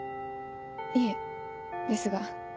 いえですが。